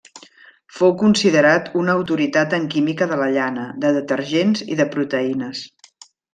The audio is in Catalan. Fou considerat una autoritat en química de la llana, de detergents i de proteïnes.